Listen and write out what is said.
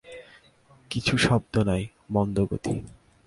কিছু শব্দ নাই, মন্দগতি।